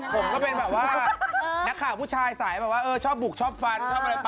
ผมก็เป็นมาว่านักข่าวผู้ชายใสชอบบุกชอบฟัน